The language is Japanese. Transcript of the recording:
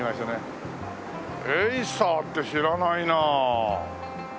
エイサーって知らないなあ。